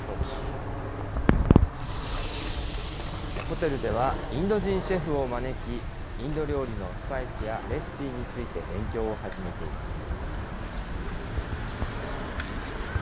ホテルでは、インド人シェフを招き、インド料理のスパイスやレシピについて、勉強を始めています。